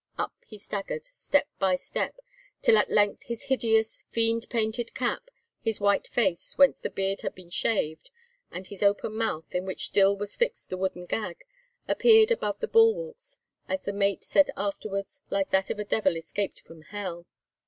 Up he staggered, step by step, till at length his hideous, fiend painted cap, his white face, whence the beard had been shaved, and his open mouth, in which still was fixed the wooden gag, appeared above the bulwarks, as the mate said afterwards, like that of a devil escaped from hell.